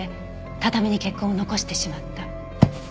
畳に血痕を残してしまった。